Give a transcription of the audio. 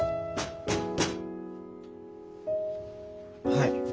はい。